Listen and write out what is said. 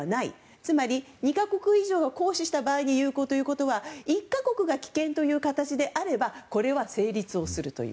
つまり、２か国以上が行使した場合に有効ということは１か国が棄権という形であればこれは成立するという。